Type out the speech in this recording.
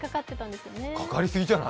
かかりすぎじゃない？